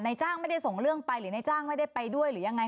จ้างไม่ได้ส่งเรื่องไปหรือในจ้างไม่ได้ไปด้วยหรือยังไง